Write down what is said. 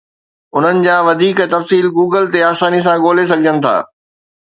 انهن جا وڌيڪ تفصيل گوگل تي آساني سان ڳولي سگهجن ٿا.